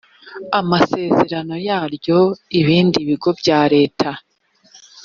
amasezerano yaryo ibindi bigo bya leta